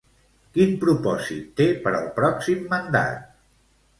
Quin propòsit té per al pròxim mandat?